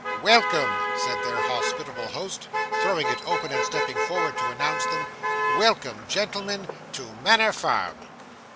'Welcome,' said their hospitable host, throwing it open and stepping forward to announce them, 'welcome, gentlemen, to Manor Farm.